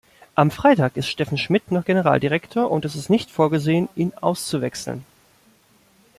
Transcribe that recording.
Am Freitag ist Steffen Smidt noch Generaldirektor, und es ist nicht vorgesehen, ihn auszuwechseln.